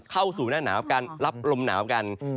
เข้าสู่หน้าหนาวการรับลมหนาวกัน